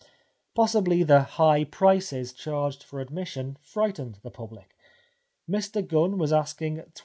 Possibly the high prices charged for admission frightened the public. Mr Gunn was asking 21s.